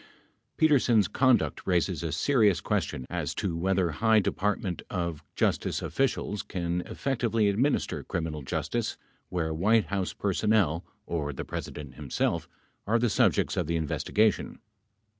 Petersen's conduct raises a serious question as to whether high Department of Justice officials can effectively administer criminal justice where White House personnel, or the President himself, are the subjects of the investigation.